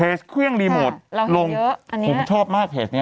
เครื่องรีโมทลงเยอะผมชอบมากเพจนี้